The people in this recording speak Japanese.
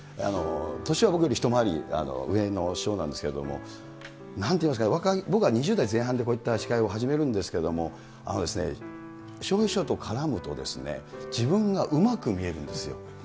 年は僕より一回り上の師匠なんですけれども、なんて言いますかね、僕が２０代前半で、こういった司会を始めるんですけれども、あのですね、笑瓶師匠と絡むと、自分がうまく見えるんですよ。